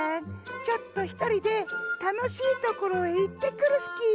ちょっとひとりでたのしいところへいってくるスキー。